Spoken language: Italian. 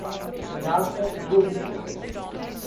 Più in alto, due bifore.